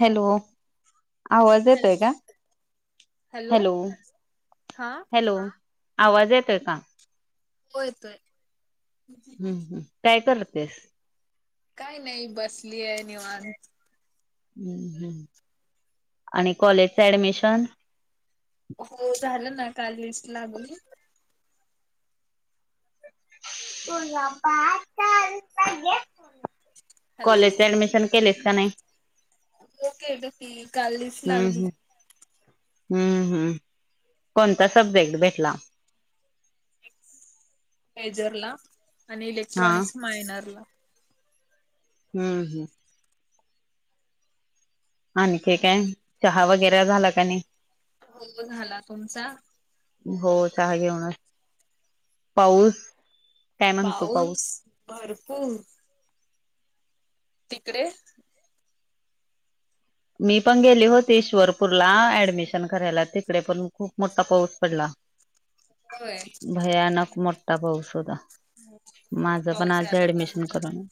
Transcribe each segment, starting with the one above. Hello आवाज येतोय hello का? हॅलो हा हॅलो आवाज येतो आहेय का? होय येतोय हम्म हम् काय करतेस? काय नाही बसली आहे निवांत हम् हम् आणि कॉलेजचा ऍडमिशन. हो झालं ना का लिस्ट लागली. [unintelligible] हॅलो कॉलेज ऍडमिशन केलेस का नाही? केलं की काल लिस्ट हम्म लागली. हम्म हम्म हम्म कोणता सब्जेक्ट भेटला? मेजरला आणि हा इलेक्ट्रॉनिक्स मायनरला हम्म हम्म. आणखी काय चहा वगैरे झाला का नाही? हो झाला तुमचा? हो चहा घेऊन पाऊस काय म्हणतो पाऊस भरपूर. तिकडे? मी पण गेले होते श्वरपूरला ऍडमिशन करायला तिकडे पण खूप मोठा पाऊस पडला. होय भयानक मोठा पाऊस होता. भरपूर माझं पण पाऊस आहे आज आता चालू ऍडमिशन झाला करून.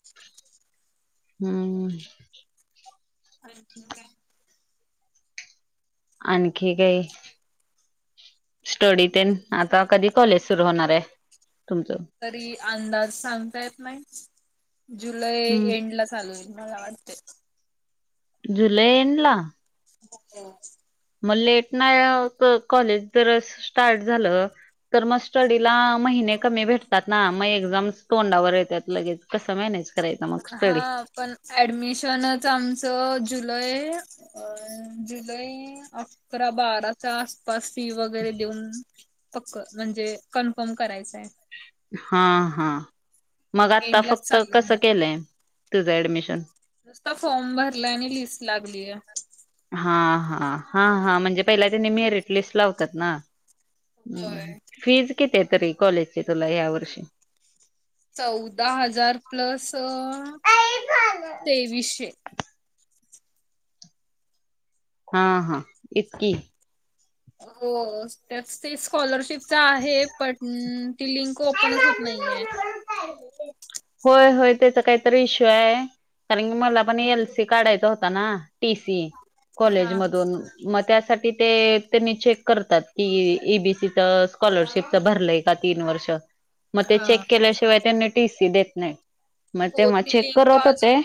हम्म. र ठीक आहे. आणखी काय? स्टडी ते आता कधी कॉलेज सुरू होणार आहे? तुमचं तरी अंदाज सांगता येत नाही जुलै हम्म एंडला चालू होईल. मला वाटते जुलै एंडला? हो मग लेट नाही कॉलेज जर स्टार्ट झालं तर मग स्टडीला महिने कमी भेटतात ना मग एक्झामस तोंडावर येतात लगेच. कसं मॅनेज करायचा मग हा स्टडी पण ऍडमिशनच आमचं जुलै अ जुलै अकरा बाराच्या आसपास फी वगैरे देऊन पक्क म्हणजे कन्फर्म करायचंय. हा हा मग आता एंडलाच फक्त चालू कस होणार केलंय तुझं ऍडमिशन नुसता फॉर्म भरला आणि लिस्ट लागलीय हा हा हा हां म्हणजे पहिला त्यांनी मेरिट लिस्ट लावतात ना हम्म होय. फीज किती आहे तरी कॉलेजची तुला या वर्षी चौदा हजार प्लस तेवीसशे हा हा इतकी. त्या ते स्कॉलरशिप आहे पण लिंक ओपनच होत नाहीय. होय होय त्याच काहीतरी इश्यू आहे कारणी मला पण एल सी काढायचा होता ना टी सी हा कॉलेज मधून मग त्यासाठी तिथे त्यांनी चेक करतात की एबीसीच स्कॉलरशिपच भरलंय का तीन वर्ष मग ते हा चेक केल्याशिवाय त्यांना टीसी देत नाही. मग हो तेव्हा त चेक लिंक करत होते अजुन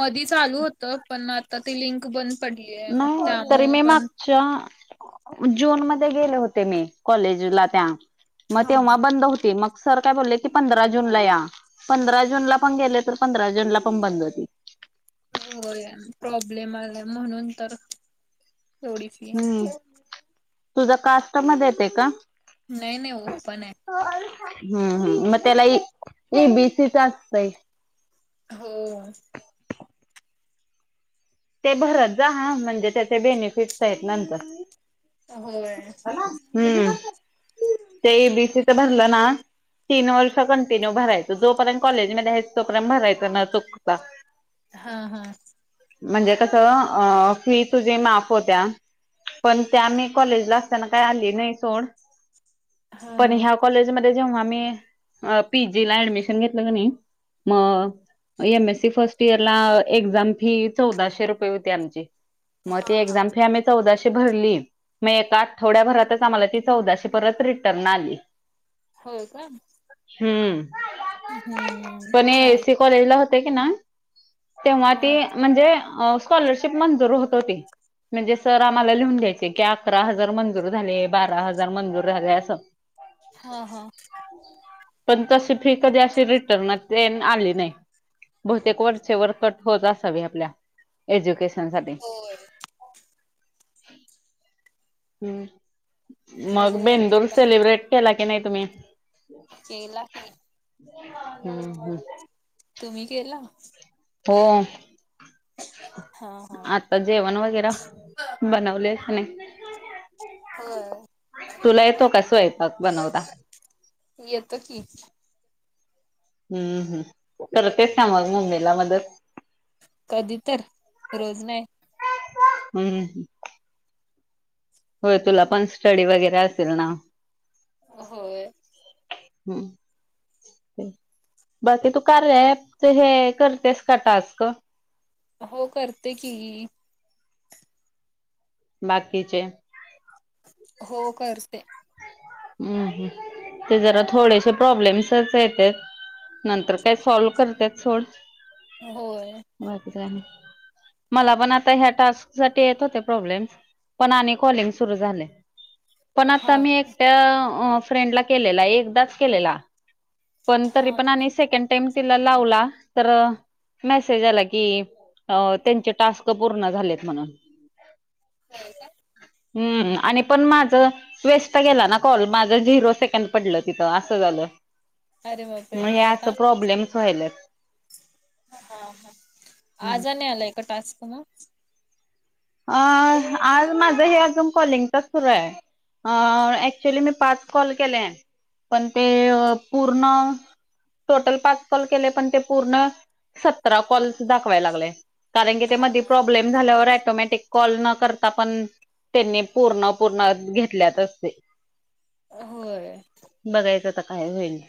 मधी चालु होत पण आता ती लिंक बंद पडली आहे मग नाही तरी त्यामुळे मी पण मागच्या जून मध्ये गेले होते मी कॉलेजला त्या मग हा. तेव्हा बंद होती मग. सर काय बोलले की पंधरा जूनला या पंधरा जूनला पण गेले तर पंधरा जूनला पण बंद होती. हो या प्रॉब्लेम आला म्हणुन तर अन ऎंटिलेजेबल. तुझं कास्ट मध्ये येते का नाही नाही पण आहे. हम्म हम्म मला ए बी सी असत य हो ते भरत जा म्हणजे त्याचे बेनिफिटस आहेत नंतर होय हम्म ते ए बी सी च भरल ना तीन वर्ष कंटिन्यू भरायचं जोपर्यंत कॉलेजमध्ये आहे तोपर्यंत भरायच न चुकता. हा हा म्हणजे कस फी तुझी माफ होत्या पण त्या मी कॉलेज ला असताना आली नाही सोड हा पण हा. ह्या कॉलेज मध्ये तेव्हा आम्ही पीजी ला ऍडमिशन घेतलं कणी मी एमएससी फर्स्ट इयर ला एक्झाम फी चौदाशे रुपये होती आमची. मग हा ते हा. एक्झाम फी आम्ही चौदाशे भरली. मी एका आठवड्याभरातच आम्हाला ती चौदाशे परत रिटर्न आली. हो का हम्म हम्म पण ए चाल सी कॉलेजला होते की ना तेव्हा ती हा म्हणजे स्कॉलरशिप मंजुर होत होती म्हणजे सर आम्हाला लिहून घ्यायचे की अकरा हजार मंजुर झाले बारा हजार मंजुर झाले अस. हा हा पण तशी फी कधी अशी रिटर्न आली नाही. बहुतेक वर्ष वर कट होत असावी आपल्या एज्युकेशन साठी होय. हम् मग बघूया आता बेंदूर काय सेलिब्रेट केला की नाही तुम्ही केला. हम्म हम् तुम्ही केला. हो हा हा. आता जेवण वगैरे बनवले नाही. होय तुला येतो का स्वयंपाक बनवता? ऐतो की हम्म हम् करतेस का मग मुम्मीला मदत कधी तर रोज नाही हम्म होय तुला पण स्टडी वगैरे असेल ना होय हम्म बाकी तू कार्या यापच हे करतेस का टास्क हो करते की बाकीचे हो करते. ते जरा थोडेसे प्रॉब्लेम्सच येत्यात नंतर काय सॉल करते सोड होय बाकीच मला पण आता ह्या टास्क साठी येत होते प्रॉब्लेम्स पण आणि कॉलिंग सुरू झालेय. पण आता हा मी का? एकट्या फ्रेंडला केलेला एकदाच केलेला पण तरी हा पण आणि सेकंड टाईम तिला लावला तर मेसेज आला की त्यांचे टास्क पूर्ण झालेत म्हणून. होय का हम् आणि पण माझं वेस्ट गेला ना कॉल माझं झिरो सेकंड पडलं तिथं असं झालं. अरे मग बापरे हे अस प्रॉब्लेम्स व्हायल्यात हा हा आज आणि आलाय का टास्क मग अ आज माझं हे अजून कॉलिंगचच सुरू हाय ऍक्च्युली मी पाच कॉल केले पण ते पूर्ण टोटल पाच कॉल केले पण पूर्ण सतरा कॉल दाखवाय लागलेय कारण कि ते हा. मधी प्रोब्लेम झाल्यावर ऐटोमटि कॉल न करता पण त्यांनी पूर्ण पूर्ण घेतल्यात असते होय बघायचं आता काय होईल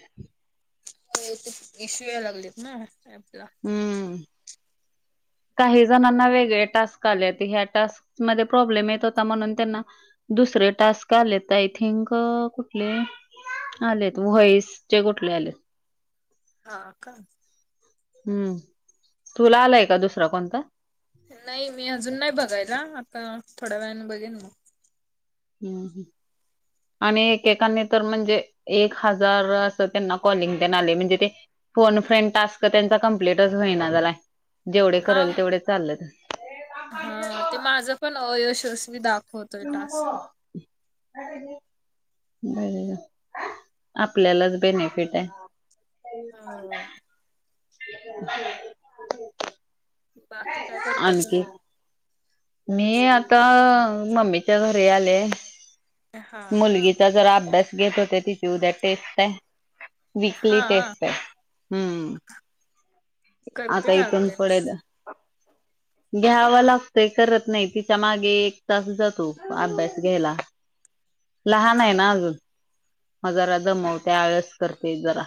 हो ते इशू या लागलेत ना ऍपला हम्म काही जणांना वेगळे टास्क आलेत ह्या टास्क मध्ये प्रॉब्लेम येत होता म्हणून त्यांना दुसरे टास्क आलेत आय थिंक कुठले आलेत व्होइस चे कुठले आलेत हा का हम्म तुला आलाय का दुसरा कोणता नाही मी अजून नाही बघायला आता थोड्या वेळने बघीन मग हम् ह आणि एकेकानी तर म्हणजे एक हजार अस त्यांना कॉलिंग तेण आले म्हणजे ते फोन फ्रेंड टास्क त्यांचा कमप्लीटच होईना झालाय जेवढे हा करल तेवढे चालेत हा ते माझं पण अयशस्वी दाखव क [inaudible] बर आपल्यालाच बेनिफिट आहे. हो [inaudible] बाकी काय करताय तुम्ही आणखी मी आता मम्मीच्या घरी आले. हा का मुलगीचा जरा अभ्यास घेत होते तिची उद्या टेस्ट आहे. विकली हा टेस्ट आहे. हम्म करते आता का इथून अभ्यास पडेल घ्यावा लागतय करत नाही तिच्या मागे एक तास जातो अभ्यास घ्यायला. लहान आहे हा ना अजून म जरा जमवते आळस करते जरा..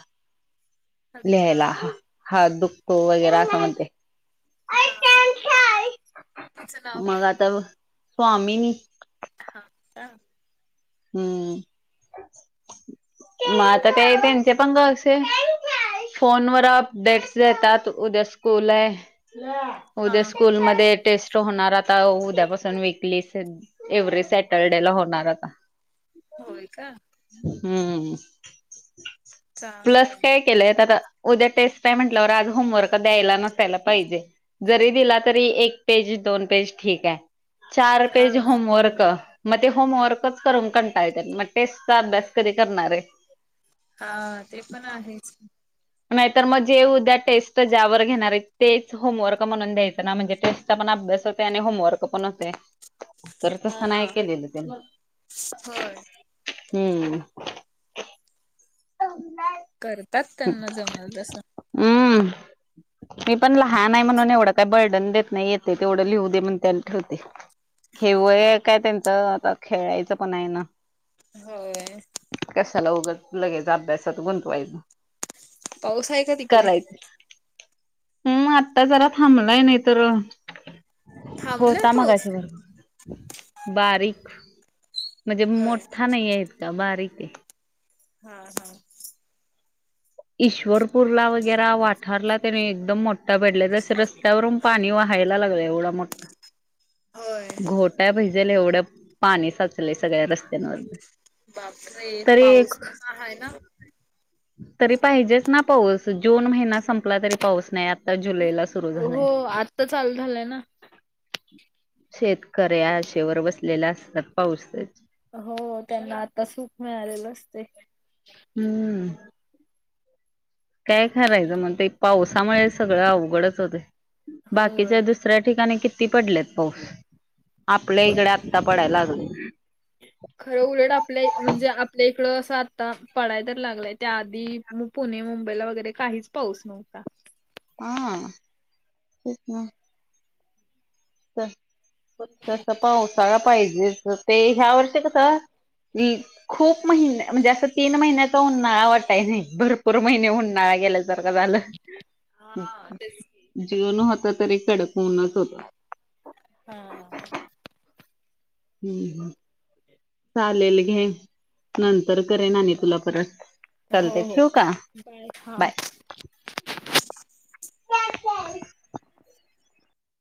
अच्छा लिहायला हात दुखतो असं म्हणते.. हा तिचं नाव काय? मग आता स्वामीनी. हा का? हम्म. मग आता काही त्यांचे पण वर्ष फोनवर अपडेट देतात उद्या स्कूल आहे. उद्या हा. स्कूलमध्येध्ये टेस्ट होणार आता उद्यापासून वीकली एव्हरेज सॅटरडे ला होणार आता होय का. हम्म चांगलं प्लस आहे. काय केलंय आता. उद्या टेस्ट काय म्हटल्यावर आज होमवर्क द्यायला नसायला पाहिजे जरी दिला तरी एक पेज दोन पेज ठीक आहे चार हा पेज ना. होमवर्क म ते होमवर्क ून का मग टेस्टचा अभ्यास कधी करणारे हा ते पण आहेच. नाहीतर मग जे उद्या टेस्ट ज्यावर घेणार आहेत तेच होमवर्क म्हणून द्यायचं ना म्हणजे टेस्ट पण अभ्यास होते आणि होमवर्क पण होते तर तसं नाही हा. केलेलं त्यांनी होय. हम्म. करतात त्यांना जमल तस [inaudible] मी पण लहान आहे म्हणून एवढं काही बर्डन देत नाही येते तेवढं लिहू दे म्हण त्याला ठेवते. हा. हेवय काय त्यांचं आता खेळायचं पण आहे ना. होय कशाला उग लगायच अभ्यास गुंतवायचं. पाऊस आहे का तिकडे हम् आत्ता जरा थांबलाय नाही तर थांबलाय होता पाऊस? मगाच्या बरोबर बारीक म्हणजे होय. मोठा नाही आहेत का बारीके. हा हा. ईश्वरपूरला वगैेर वाठारला त्यानी एकदम मोठ ता पडल्या तस रस्त्यावरून पाणी वहायला लागलं एवढा मोठा होय. घोटाय पाहिजेल एवढं पाणी साचलय सगळ्या रस्त्यांवर बापरे तरी एक पाऊस कसा आहेय ना तरी पाहिजेच ना पाऊस जून महिना संपला तरी पाऊस नाही आता जुलैला सुरू झालाय हो आत्ता चालू झालंय ना. शेतकऱ्याशेवर बसलेला असतात पाऊसच. हो त्यांना आता सुख मिळालेलं असते. हम्म. काय खरायचं म्हणत पावसामुळे सगळं अवघडच होते. होय. बाकीच्या दुसऱ्या ठिकाणी किती पडलेत पाऊस आपल्या ब इकडे आत्ता पडायला लागले खरं उलट आपलं म्हणजे आपले इकडं असं आता पडाय तर लागलाय त्या आधी मग पुणे, मुंबईला वगैरे काहीच पाऊस नव्हता. हां तेच ना पावसाळा पाहिजे ते ह्या वर्ष कसा हम, खूप महिन म्हणजे असं तीन महिन्याचा उन्हाळा वाटाय नाही, भरपूर महिने उन्हाळा गेला जर का झालं, हा तेच की. जीऊन होत तरी कडक ऊनच होत हा हम्म हम [inaudible] चालेल घे, नंतर करेल आणि तुला परत. हो चालतय हो, ठेवू का बाय हा.